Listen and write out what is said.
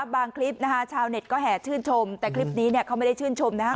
คลิปนะคะชาวเน็ตก็แห่ชื่นชมแต่คลิปนี้เนี่ยเขาไม่ได้ชื่นชมนะฮะ